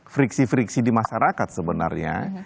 friksi friksi di masyarakat sebenarnya